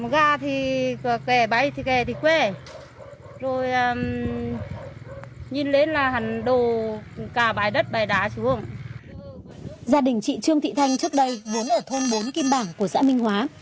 gia đình chị trương thị thanh trước đây vốn ở thôn bốn kim bảng của xã minh hóa